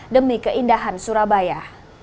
demi keindahan surabaya